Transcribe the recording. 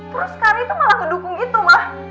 terus karena itu malah kedukung itu mah